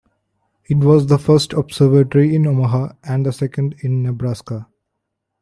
It was the first observatory in Omaha, and the second in Nebraska.